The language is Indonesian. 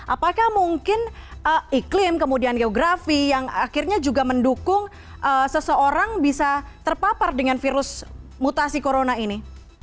apakah mungkin iklim kemudian geografi yang akhirnya juga mendukung seseorang bisa terpapar dengan virus mutasi corona ini